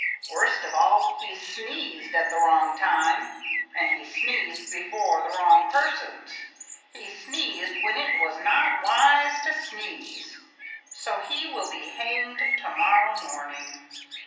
Worst of all he sneezed at the wrong time and he sneezed before the wrong persons; he sneezed when it was not wise to sneeze. So he will be hanged to morrow morning.